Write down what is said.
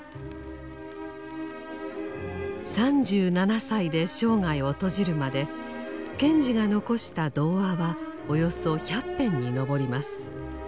３７歳で生涯を閉じるまで賢治が残した童話はおよそ１００編にのぼります。